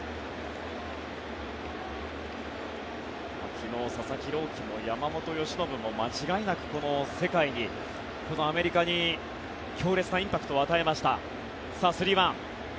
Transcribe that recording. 昨日、佐々木朗希も山本由伸も間違いなく世界にこのアメリカに強烈なインパクトを与えました。